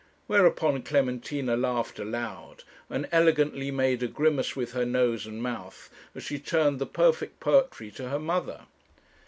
Whereupon Clementina laughed aloud, and elegantly made a grimace with her nose and mouth, as she turned the 'perfect poetry' to her mother.